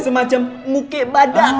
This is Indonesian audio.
semacam muke badak